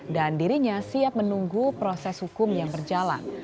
dan dirinya siap menunggu proses hukum yang berjalan